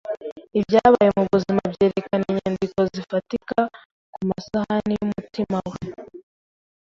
Ibyabaye mubuzima byerekana inyandiko zifatika kumasahani yumutima we.